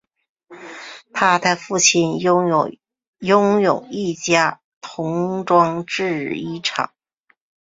他的父亲拥有一家童装制衣厂。